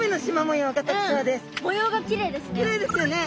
模様がきれいですね。